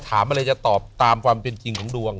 ถามอะไรจะตอบตามความเป็นจริงของดวง